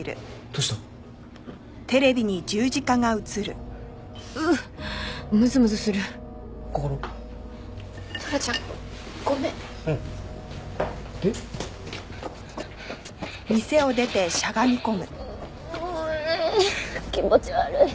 ううっうえ気持ち悪い。